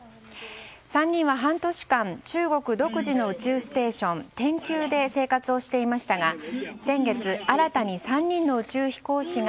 ３人は半年間中国独自の宇宙ステーション天宮で生活をしていましたが先月、新たに３人の宇宙飛行士が